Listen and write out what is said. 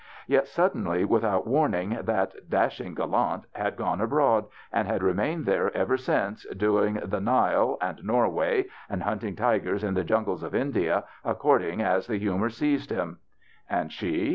Yet suddenly, without warning, that dashing gallant had gone abroad and had remained there ever since, doing the Nile, and Norway, and hunting tigers in the jungles of India, according as the humor seized him. And she